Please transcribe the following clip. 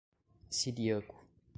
Ciríaco